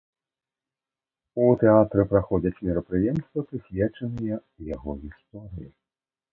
У тэатры праходзяць мерапрыемствы, прысвечаныя яго гісторыі.